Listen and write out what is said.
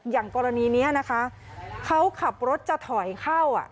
อย่างกรณีนี้นะคะเขาขับรถจะถอยเข้า